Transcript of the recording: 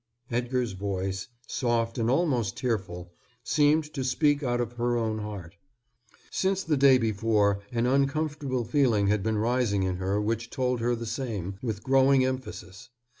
Edgar's voice, soft and almost tearful, seemed to speak out of her own heart. Since the day before an uncomfortable feeling had been rising in her which told her the same, with growing emphasis.